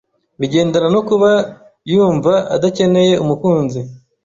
bigendana no kuba yumva adakeneye umukunzi